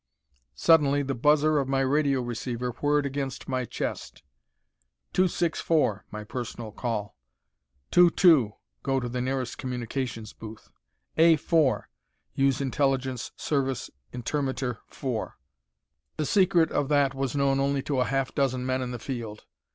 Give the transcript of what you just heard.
Suddenly the buzzer of my radio receiver whirred against my chest. "2 6 4" my personal call. "2 2" "Go to nearest communications booth." "A 4" "Use Intelligence Service intermitter 4." The secret of that was known only to a half dozen men in the field.